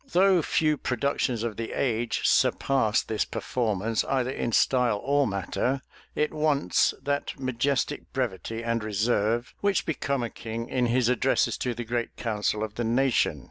[*] Though few productions of the age surpass this performance either in style or matter, it wants that majestic brevity and reserve which become a king in his addresses to the great council of the nation.